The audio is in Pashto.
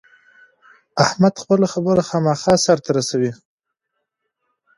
احمد خپله خبره خامخا سر ته رسوي.